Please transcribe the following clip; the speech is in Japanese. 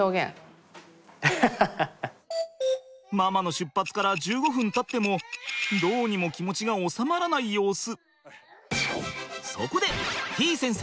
ママの出発から１５分たってもどうにも気持ちが収まらない様子。